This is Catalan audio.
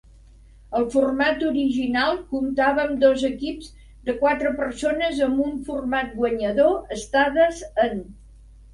El format original comptava amb dos equips de quatre persones amb un format guanyador-estades-en.